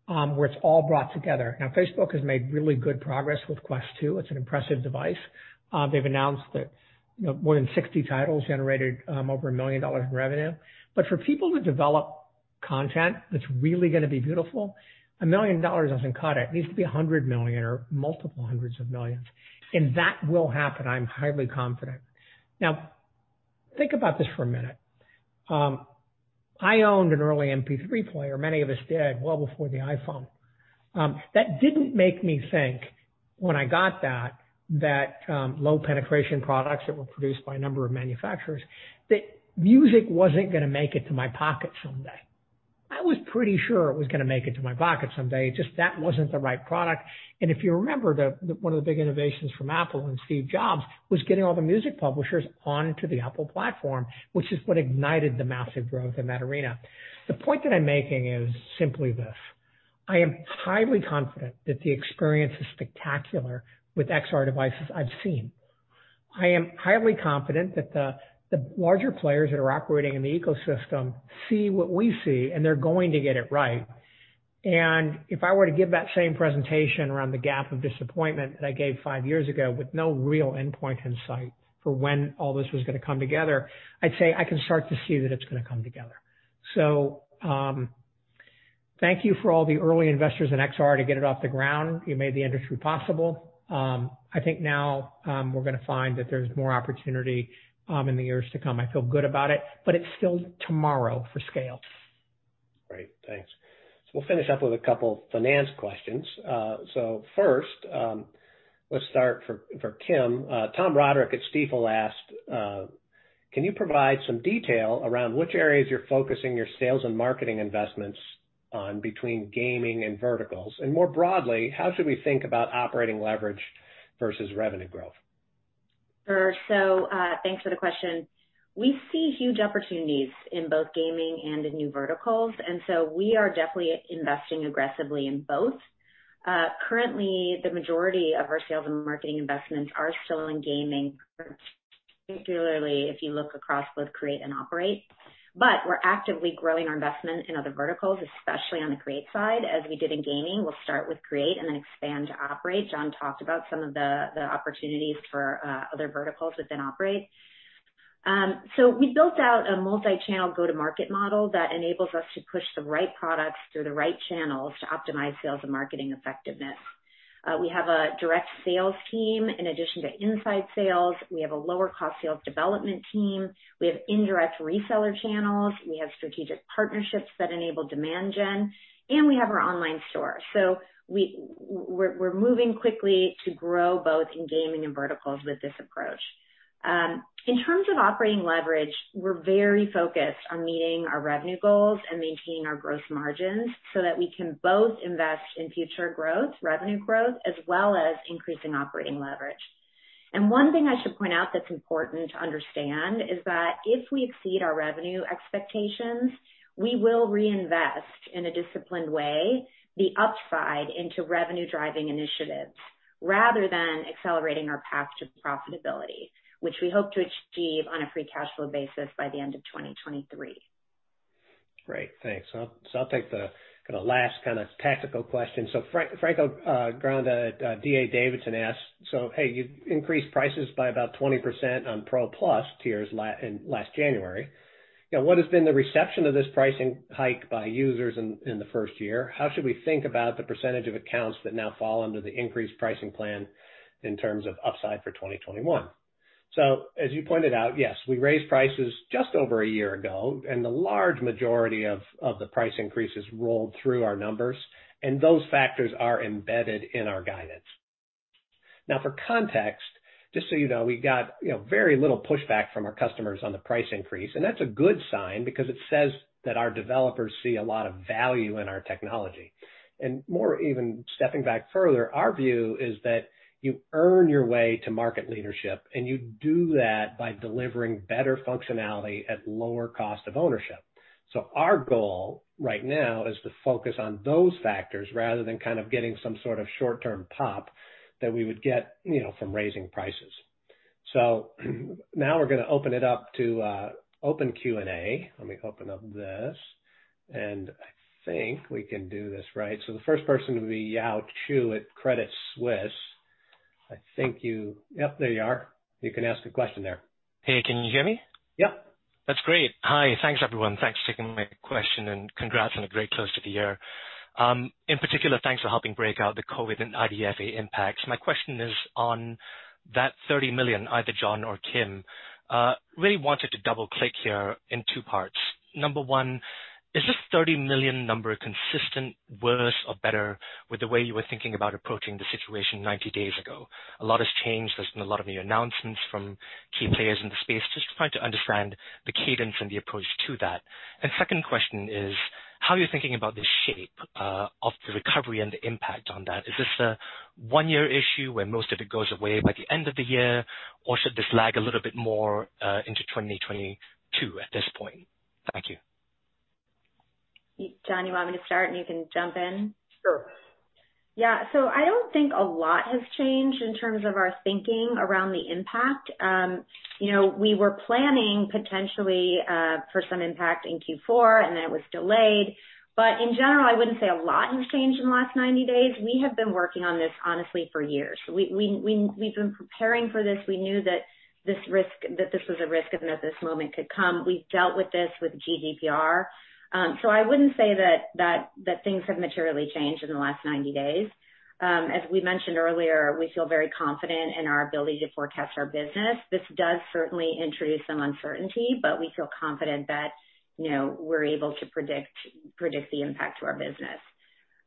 S2: where it's all brought together. Facebook has made really good progress with Quest 2. It's an impressive device. They've announced that more than 60 titles generated over $1 million in revenue. For people to develop content that's really going to be beautiful, $1 million doesn't cut it. It needs to be $100 million or multiple hundreds of millions. That will happen, I'm highly confident. Think about this for a minute. I owned an early MP3 player, many of us did, well before the iPhone. That didn't make me think when I got that low penetration products that were produced by a number of manufacturers, that music wasn't going to make it to my pocket someday. I was pretty sure it was going to make it to my pocket someday, just that wasn't the right product. If you remember, one of the big innovations from Apple and Steve Jobs was getting all the music publishers onto the Apple platform, which is what ignited the massive growth in that arena. The point that I'm making is simply this: I am highly confident that the experience is spectacular with XR devices I've seen. I am highly confident that the larger players that are operating in the ecosystem see what we see, and they're going to get it right. If I were to give that same presentation around the gap of disappointment that I gave five years ago with no real endpoint in sight for when all this was going to come together, I'd say I can start to see that it's going to come together. Thank you for all the early investors in XR to get it off the ground. You made the industry possible. I think now we're going to find that there's more opportunity in the years to come. I feel good about it, but it's still tomorrow for scale.
S1: Great. Thanks. We'll finish up with a couple finance questions. First, let's start for Kim. Tom Roderick at Stifel asked, can you provide some detail around which areas you're focusing your sales and marketing investments on between gaming and verticals? More broadly, how should we think about operating leverage versus revenue growth?
S3: Sure. Thanks for the question. We see huge opportunities in both gaming and in new verticals, we are definitely investing aggressively in both. Currently, the majority of our sales and marketing investments are still in gaming, particularly if you look across both Create and Operate. We're actively growing our investment in other verticals, especially on the Create side. As we did in gaming, we'll start with Create and then expand to Operate. John talked about some of the opportunities for other verticals within Operate. We built out a multi-channel go-to-market model that enables us to push the right products through the right channels to optimize sales and marketing effectiveness. We have a direct sales team in addition to inside sales. We have a lower cost sales development team. We have indirect reseller channels. We have strategic partnerships that enable demand gen, and we have our online store. We're moving quickly to grow both in gaming and verticals with this approach. In terms of operating leverage, we're very focused on meeting our revenue goals and maintaining our gross margins so that we can both invest in future growth, revenue growth, as well as increasing operating leverage. One thing I should point out that's important to understand is that if we exceed our revenue expectations, we will reinvest in a disciplined way the upside into revenue-driving initiatives rather than accelerating our path to profitability, which we hope to achieve on a free cash flow basis by the end of 2023.
S1: Great. Thanks. I'll take the last kind of tactical question. Franco Granda at D.A. Davidson asked, "Hey, you increased prices by about 20% on Pro Plus tiers in last January. What has been the reception of this pricing hike by users in the first year? How should we think about the percentage of accounts that now fall under the increased pricing plan in terms of upside for 2021?" As you pointed out, yes, we raised prices just over a year ago, and the large majority of the price increases rolled through our numbers, and those factors are embedded in our guidance. For context, just so you know, we got very little pushback from our customers on the price increase, and that's a good sign because it says that our developers see a lot of value in our technology. More even stepping back further, our view is that you earn your way to market leadership, and you do that by delivering better functionality at lower cost of ownership. Our goal right now is to focus on those factors rather than kind of getting some sort of short-term pop that we would get from raising prices. Now we're going to open it up to open Q&A. Let me open up this, and I think we can do this right. The first person will be Yao Chew at Credit Suisse. I think yep, there you are. You can ask a question there.
S4: Hey, can you hear me?
S1: Yep.
S4: That's great. Hi. Thanks, everyone. Thanks for taking my question and congrats on a great close to the year. In particular, thanks for helping break out the COVID and IDFA impacts. My question is on that $30 million, either John or Kim. Really wanted to double-click here in two parts. Number one, is this $30 million number consistent, worse, or better with the way you were thinking about approaching the situation 90 days ago? A lot has changed. There's been a lot of new announcements from key players in the space. Just trying to understand the cadence and the approach to that. Second question is how you're thinking about the shape of the recovery and the impact on that. Is this a one-year issue where most of it goes away by the end of the year, or should this lag a little bit more into 2022 at this point? Thank you.
S3: John, you want me to start, and you can jump in?
S2: Sure.
S3: Yeah. I don't think a lot has changed in terms of our thinking around the impact. We were planning potentially for some impact in Q4, and then it was delayed. In general, I wouldn't say a lot has changed in the last 90 days. We have been working on this, honestly, for years. We've been preparing for this. We knew that this was a risk and that this moment could come. We've dealt with this with GDPR. I wouldn't say that things have materially changed in the last 90 days. As we mentioned earlier, we feel very confident in our ability to forecast our business. This does certainly introduce some uncertainty, but we feel confident that we're able to predict the impact to our business.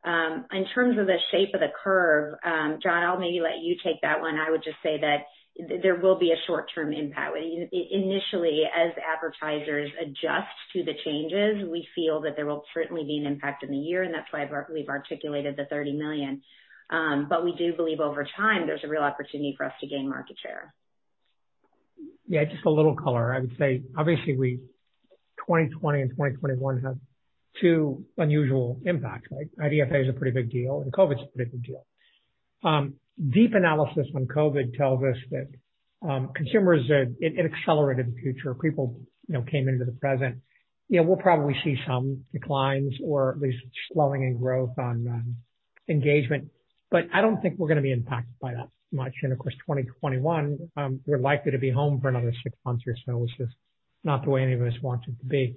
S3: In terms of the shape of the curve, John, I'll maybe let you take that one. I would just say that there will be a short-term impact. Initially, as advertisers adjust to the changes, we feel that there will certainly be an impact in the year, and that's why we've articulated the $30 million. We do believe over time, there's a real opportunity for us to gain market share.
S2: Yeah, just a little color. I would say obviously, 2020 and 2021 have two unusual impacts, right? IDFA is a pretty big deal, and COVID's a pretty big deal. Deep analysis on COVID tells us that consumers, it accelerated the future. People came into the present. We'll probably see some declines or at least slowing in growth on engagement. I don't think we're going to be impacted by that much. Of course, 2021, we're likely to be home for another six months or so, which is not the way any of us want it to be.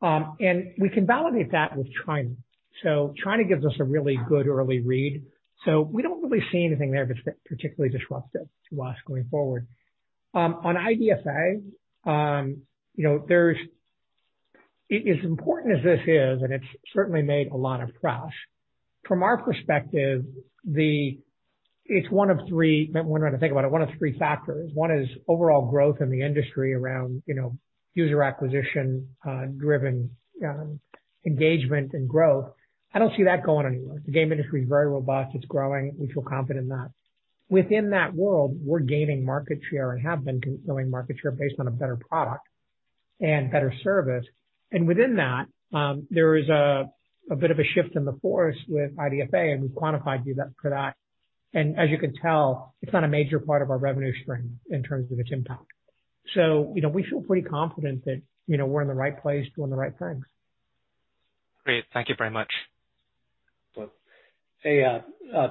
S2: We can validate that with China. China gives us a really good early read, so we don't really see anything there that's particularly disruptive to us going forward. On IDFA, as important as this is, and it's certainly made a lot of press, from our perspective, it's one of three, when I think about it, one of three factors. One is overall growth in the industry around user acquisition driven engagement and growth. I don't see that going anywhere. The game industry is very robust. It's growing. We feel confident in that. Within that world, we're gaining market share and have been growing market share based on a better product and better service. Within that, there is a bit of a shift in the force with IDFA, and we've quantified for that. As you can tell, it's not a major part of our revenue stream in terms of its impact. We feel pretty confident that we're in the right place doing the right things.
S4: Great. Thank you very much.
S1: Hey,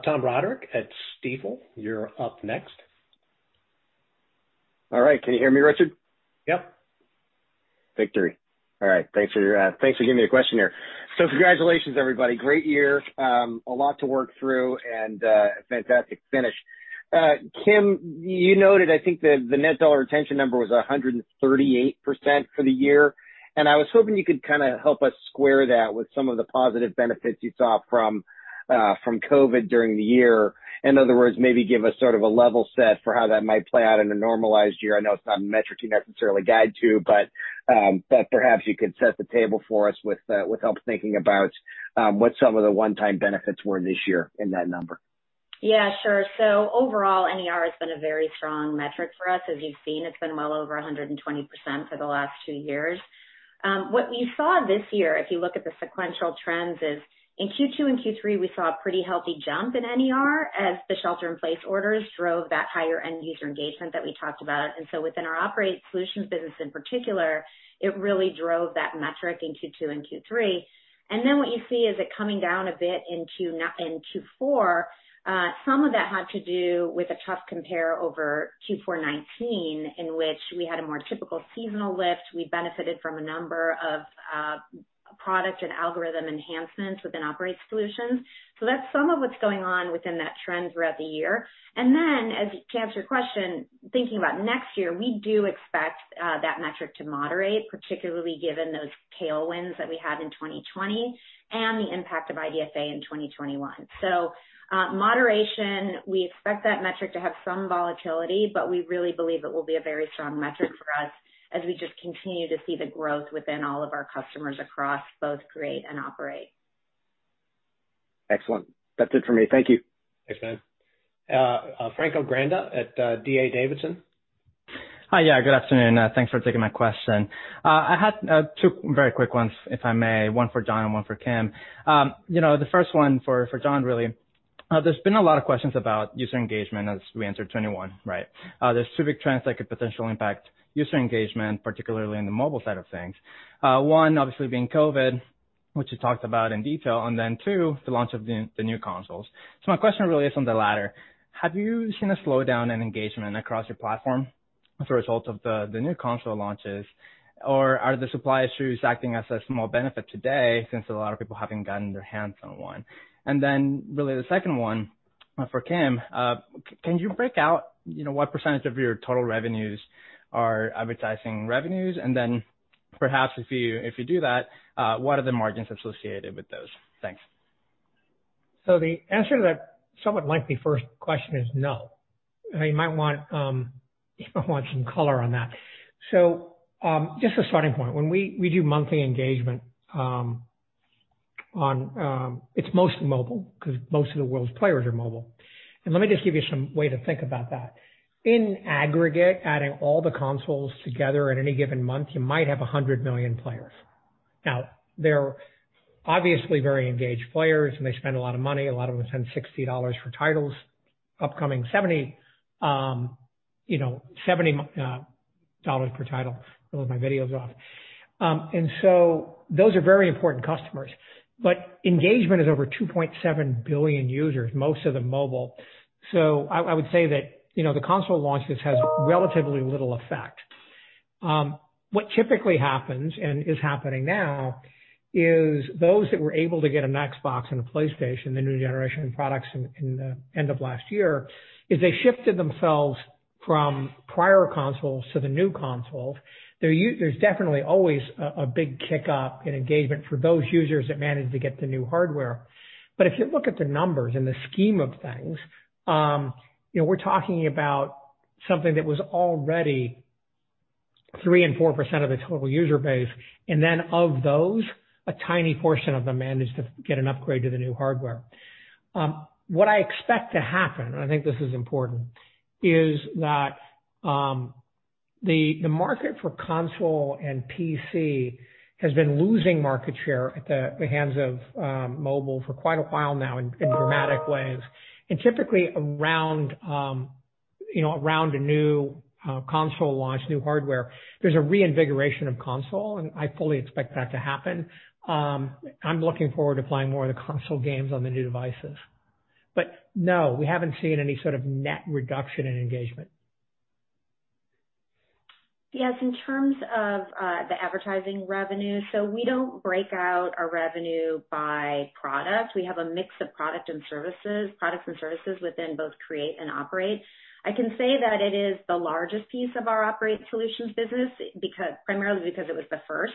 S1: Tom Roderick at Stifel, you're up next.
S5: All right. Can you hear me, Richard?
S1: Yep.
S5: Victory. All right. Thanks for giving me a question here. Congratulations, everybody. Great year. A lot to work through and a fantastic finish. Kim, you noted, I think the net dollar retention number was 138% for the year. I was hoping you could kind of help us square that with some of the positive benefits you saw from COVID during the year. In other words, maybe give us sort of a level set for how that might play out in a normalized year. I know it's not a metric you necessarily guide to. Perhaps you could set the table for us with help thinking about what some of the one-time benefits were this year in that number.
S3: Yeah, sure. Overall, NER has been a very strong metric for us. As you've seen, it's been well over 120% for the last 2 years. What we saw this year, if you look at the sequential trends, is in Q2 and Q3, we saw a pretty healthy jump in NER as the shelter-in-place orders drove that higher end-user engagement that we talked about. Within our Operate Solutions business in particular, it really drove that metric in Q2 and Q3. Then what you see is it coming down a bit in Q4. Some of that had to do with a tough compare over Q4 2019, in which we had a more typical seasonal lift. We benefited from a number of product and algorithm enhancements within Operate Solutions. That's some of what's going on within that trend throughout the year. To answer your question, thinking about next year, we do expect that metric to moderate, particularly given those tailwinds that we had in 2020 and the impact of IDFA in 2021. Moderation, we expect that metric to have some volatility, but we really believe it will be a very strong metric for us as we just continue to see the growth within all of our customers across both Create and Operate.
S5: Excellent. That's it for me. Thank you.
S1: Thanks, Tom. Franco Granda at D.A. Davidson.
S6: Hi. Good afternoon. Thanks for taking my question. I had two very quick ones if I may. One for John and one for Kim. The first one for John, really. There's been a lot of questions about user engagement as we enter 2021, right? There's two big trends that could potentially impact user engagement, particularly in the mobile side of things. One obviously being COVID, which you talked about in detail, and then two, the launch of the new consoles. My question really is on the latter, have you seen a slowdown in engagement across your platform as a result of the new console launches? Are the supply issues acting as a small benefit today since a lot of people haven't gotten their hands on one? Really the second one, for Kim, can you break out what percentage of your total revenues are advertising revenues? Perhaps if you do that, what are the margins associated with those? Thanks.
S2: The answer to that somewhat lengthy first question is no. You might want some color on that. Just a starting point. When we do monthly engagement, it's mostly mobile because most of the world's players are mobile. Let me just give you some way to think about that. In aggregate, adding all the consoles together at any given month, you might have 100 million players. Now, they're obviously very engaged players, and they spend a lot of money. A lot of them spend $60 for titles, upcoming $70 per title. My video's off. Those are very important customers. Engagement is over 2.7 billion users, most of them mobile. I would say that the console launches has relatively little effect. What typically happens, and is happening now, is those that were able to get an Xbox and a PlayStation, the new generation of products in the end of last year, is they shifted themselves from prior consoles to the new consoles. There's definitely always a big kick up in engagement for those users that managed to get the new hardware. If you look at the numbers in the scheme of things, we're talking about something that was already 3% and 4% of the total user base. Of those, a tiny portion of them managed to get an upgrade to the new hardware. What I expect to happen, and I think this is important, is that the market for console and PC has been losing market share at the hands of mobile for quite a while now in dramatic ways. Typically around a new console launch, new hardware, there's a reinvigoration of console, and I fully expect that to happen. I'm looking forward to playing more of the console games on the new devices. No, we haven't seen any sort of net reduction in engagement.
S3: Yes, in terms of the advertising revenue. We don't break out our revenue by product. We have a mix of product and services within both Create and Operate. I can say that it is the largest piece of our Operate Solutions business, primarily because it was the first.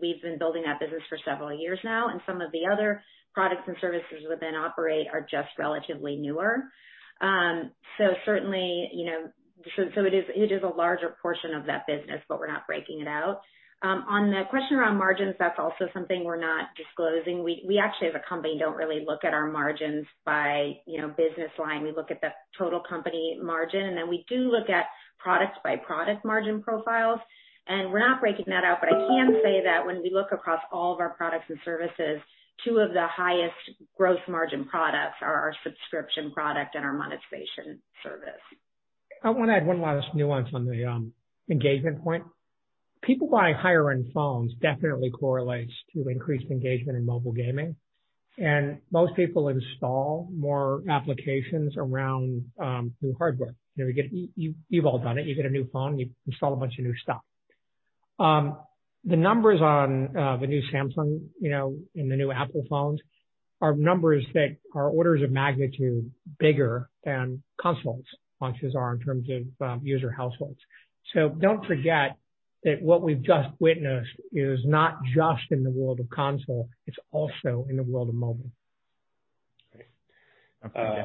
S3: We've been building that business for several years now, and some of the other products and services within Operate are just relatively newer. It is a larger portion of that business, but we're not breaking it out. On the question around margins, that's also something we're not disclosing. We actually, as a company, don't really look at our margins by business line. We look at the total company margin, and then we do look at product by product margin profiles, and we're not breaking that out. I can say that when we look across all of our products and services, two of the highest growth margin products are our subscription product and our monetization service.
S2: I want to add one last nuance on the engagement point. People buying higher-end phones definitely correlates to increased engagement in mobile gaming, and most people install more applications around new hardware. You've all done it. You get a new phone, you install a bunch of new stuff. The numbers on the new Samsung and the new Apple phones are numbers that are orders of magnitude bigger than console launches are in terms of user households. Don't forget that what we've just witnessed is not just in the world of console, it's also in the world of mobile.
S6: Great.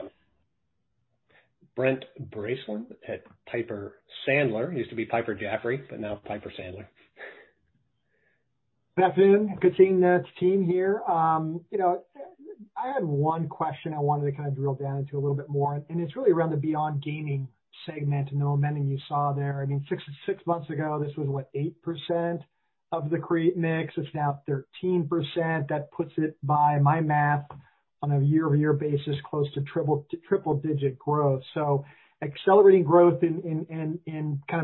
S1: Brent Bracelin at Piper Sandler. Used to be Piper Jaffray, but now Piper Sandler.
S7: Good afternoon. Good seeing the team here. I had one question I wanted to drill down into a little bit more, and it's really around the beyond gaming segment. I know, John, you saw there. Six months ago, this was what? 8% of the Create mix. It's now 13%. That puts it, by my math, on a year-over-year basis, close to triple-digit growth. Accelerating growth in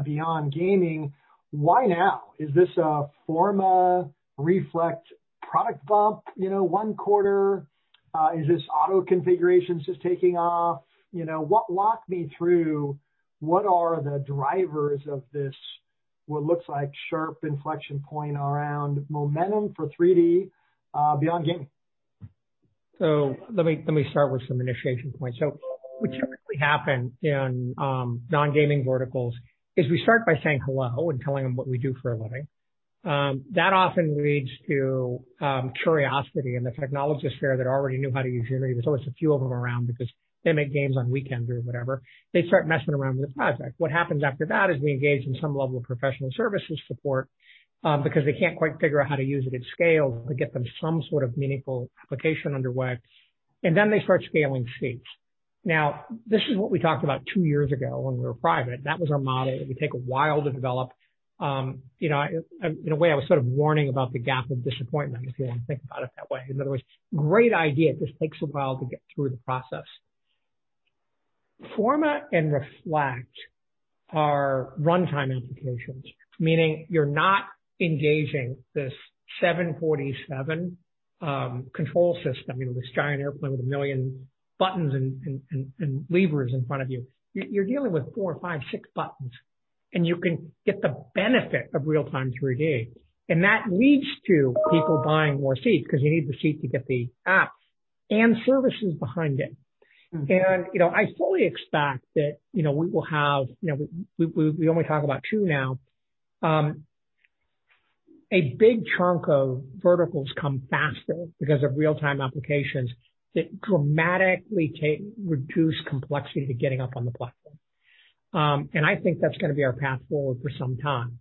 S7: beyond gaming, why now? Is this a Forma, Reflect product bump, one quarter? Is this auto configurations just taking off? Walk me through what are the drivers of this, what looks like sharp inflection point around momentum for 3D beyond gaming.
S2: Let me start with some initiation points. What typically happened in non-gaming verticals is we start by saying hello and telling them what we do for a living. That often leads to curiosity in the technologists there that already knew how to use Unity. There's always a few of them around because they make games on weekends or whatever. They start messing around with a project. What happens after that is we engage in some level of professional services support because they can't quite figure out how to use it at scale to get them some sort of meaningful application underway. Then they start scaling seats. Now, this is what we talked about 2 years ago when we were private. That was our model. We take a while to develop. In a way, I was sort of warning about the gap of disappointment, if you want to think about it that way. In other words, great idea, just takes a while to get through the process. Forma and Reflect are runtime applications, meaning you're not engaging this 747 control system, this giant airplane with a million buttons and levers in front of you. You're dealing with four, five, six buttons, and you can get the benefit of real-time 3D. That leads to people buying more seats because you need the seat to get the app and services behind it. We only talk about two now. A big chunk of verticals come faster because of real-time applications that dramatically reduce complexity to getting up on the platform. I think that's going to be our path forward for some time.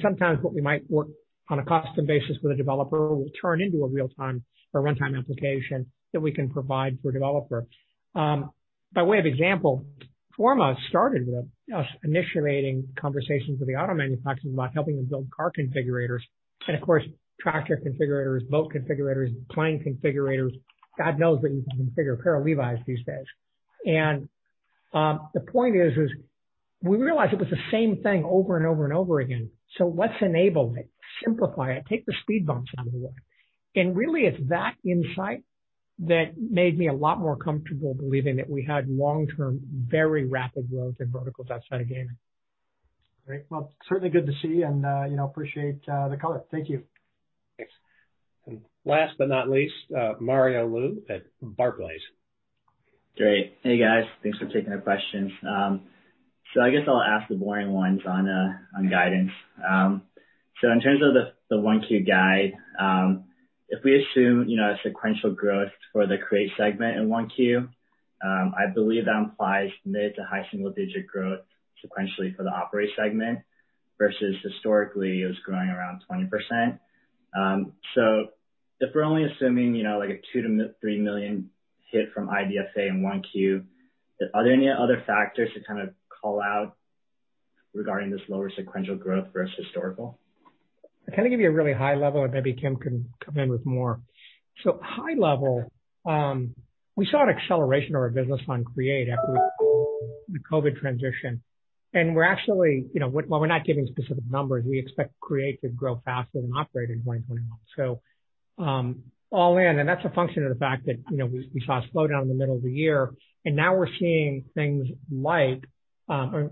S2: Sometimes what we might work on a custom basis with a developer will turn into a real-time or runtime application that we can provide for a developer. By way of example, Forma started with us initiating conversations with the auto manufacturers about helping them build car configurators. Of course, tractor configurators, boat configurators, plane configurators. God knows that you can configure a pair of Levi's these days. The point is, we realized it was the same thing over and over and over again. Let's enable it, simplify it, take the speed bumps out of the way. Really, it's that insight that made me a lot more comfortable believing that we had long-term, very rapid growth in verticals outside of gaming.
S7: Great. Well, certainly good to see you, and appreciate the color. Thank you.
S1: Thanks. Last but not least, Mario Lu at Barclays.
S8: Great. Hey, guys. Thanks for taking the questions. I guess I'll ask the boring ones on guidance. In terms of the 1Q guide, if we assume a sequential growth for the Create segment in 1Q, I believe that implies mid to high single-digit growth sequentially for the Operate segment versus historically, it was growing around 20%. If we're only assuming like a $2 million-$3 million hit from IDFA in 1Q, are there any other factors to call out regarding this lower sequential growth versus historical?
S2: I'll kind of give you a really high level, and maybe Kim can come in with more. High level, we saw an acceleration of our business on Create after the COVID transition. While we're not giving specific numbers, we expect Create to grow faster than Operate in 2021. All in, and that's a function of the fact that we saw a slowdown in the middle of the year, and now we're seeing things like a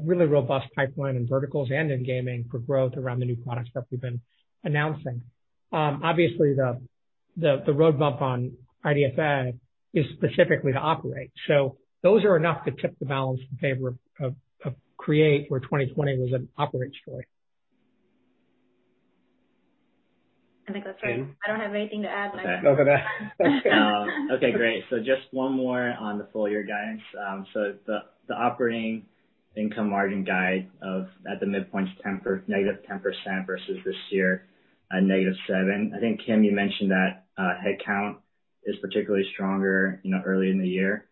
S2: really robust pipeline in verticals and in gaming for growth around the new product stuff we've been announcing. Obviously, the road bump on IDFA is specifically to Operate. Those are enough to tip the balance in favor of Create, where 2020 was an Operate story.
S3: I think that's right. I don't have anything to add.
S8: Okay, great. Just one more on the full year guidance. The operating income margin guide at the midpoint's -10% versus this year, a -7%. I think, Kim, you mentioned that headcount is particularly stronger early in the year.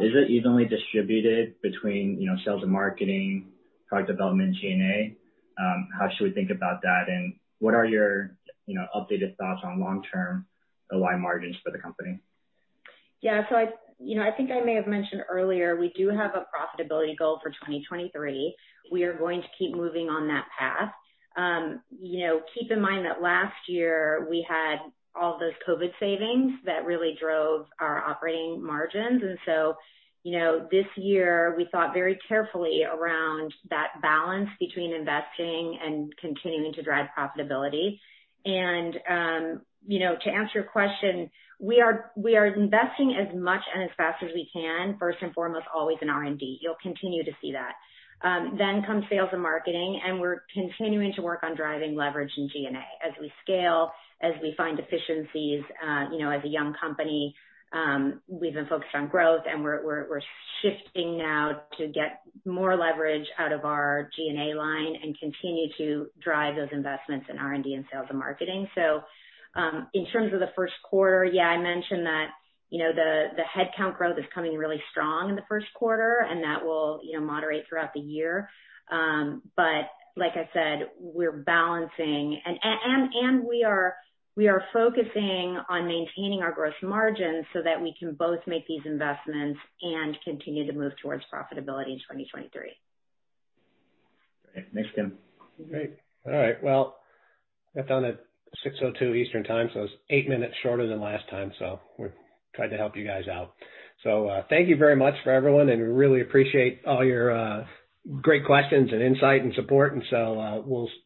S8: Is it evenly distributed between sales and marketing, product development, G&A? What are your updated thoughts on long-term operating margins for the company?
S3: Yeah. I think I may have mentioned earlier, we do have a profitability goal for 2023. We are going to keep moving on that path. Keep in mind that last year we had all those COVID savings that really drove our operating margins. This year, we thought very carefully around that balance between investing and continuing to drive profitability. To answer your question, we are investing as much and as fast as we can, first and foremost, always in R&D. You'll continue to see that. Comes sales and marketing, and we're continuing to work on driving leverage in G&A as we scale, as we find efficiencies. As a young company, we've been focused on growth, and we're shifting now to get more leverage out of our G&A line and continue to drive those investments in R&D and sales and marketing. In terms of the first quarter, yeah, I mentioned that the headcount growth is coming really strong in the first quarter, and that will moderate throughout the year. Like I said, we're balancing and we are focusing on maintaining our gross margins so that we can both make these investments and continue to move towards profitability in 2023.
S8: Great. Thanks, Kim.
S1: Great. All right. That's on at 6:02 P.M. Eastern Time, it's eight minutes shorter than last time. We tried to help you guys out. Thank you very much for everyone, and we really appreciate all your great questions and insight and support,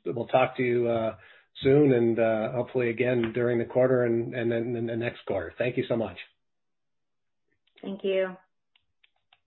S1: we'll talk to you soon and hopefully again during the quarter and then the next quarter. Thank you so much.
S3: Thank you.